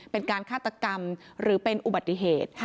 เป็นการฆาตกรรมหรือเป็นอุบัติเหตุ